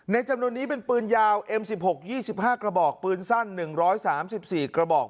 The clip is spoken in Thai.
ในจำนวนนี้เป็นปืนยาวเอ็มสิบหกยี่สิบห้ากระบอกปืนสั้นหนึ่งร้อยสามสิบสี่กระบอก